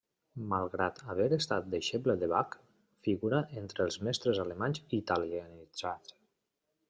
Malgrat haver estat deixeble de Bach, figura entre els mestres alemanys italianitzants.